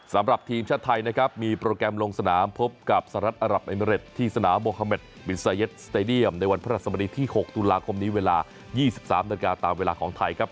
สำหรับทีมชาติไทยนะครับมีโปรแกรมลงสนามพบกับสหรัฐอรับเอเมริตที่สนามโบฮาเมดบินซาเย็ดสเตดียมในวันพระราชสมดีที่๖ตุลาคมนี้เวลา๒๓นาฬิกาตามเวลาของไทยครับ